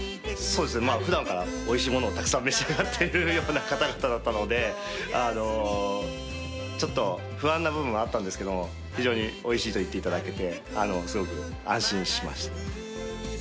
普段からおいしいものをたくさん召し上がってるような方々だったのでちょっと不安な部分もあったんですけど非常においしいと言っていただけてすごく安心しました。